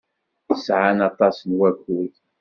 Sɛan aṭas n wakud.